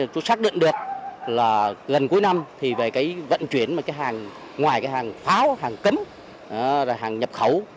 chúng xác định được là gần cuối năm thì về vận chuyển ngoài hàng pháo hàng cấm hàng nhập khẩu